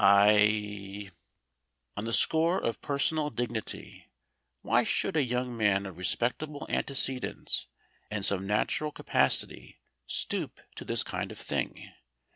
I On the score of personal dignity, why should a young man of respectable antecedents and some natural capacity stoop to this kind of thing?